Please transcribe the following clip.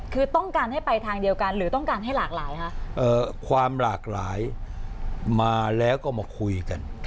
คือต้องการให้ไปทางเดียวกันหรือต้องการให้หลากหลายค่ะความหลากหลายมาแล้วก็มาคุยกัน